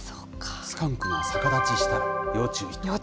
スカンクが逆立ちしたら要注要注意。